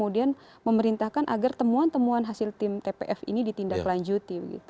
dan memerintahkan agar temuan temuan hasil tim tpf ini ditindaklanjuti